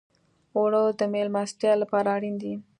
اوړه د میلمستیا لپاره اړین دي